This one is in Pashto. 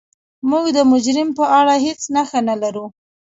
موږ د مجرم په اړه هیڅ نښه نلرو.